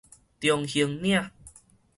中興嶺